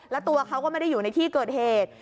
แล้วตัวเขาก็ไม่ได้อยู่ในที่เกิดเหตุ